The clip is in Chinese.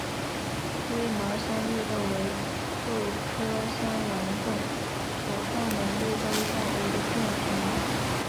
微毛山黧豆为豆科香豌豆属欧山黧豆下的一个变型。